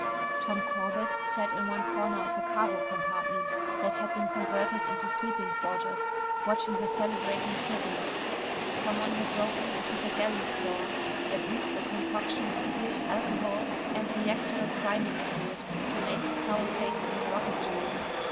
Tom Corbett sat in one corner of a cargo compartment that had been converted into sleeping quarters, watching the celebrating prisoners. Someone had broken into the galley stores and mixed a concoction of fruit, alcohol, and reactor priming fluid to make a foul tasting rocket juice.